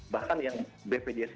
bahkan yang bpjs